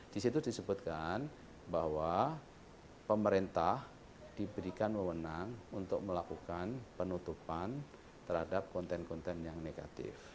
di situ disebutkan bahwa pemerintah diberikan mewenang untuk melakukan penutupan terhadap konten konten yang negatif